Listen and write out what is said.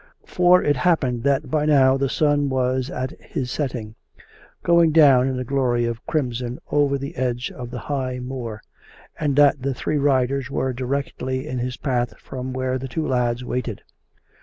For it happened that by now the sun was at his setting; going down in a glory of crimson over the edge of the high moor; and that the three riders were directly in hig path from where the two lads waited.